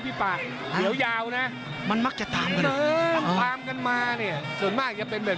พี่เปล่าหรือยาวน่ะมันมักจะตามตามกันมาส่วนมากจะเป็นแบบ